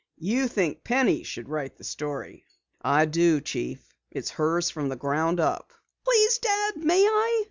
You think Penny should write the story?" "I do, Chief. It's hers from the ground floor up." "Please, Dad, may I?"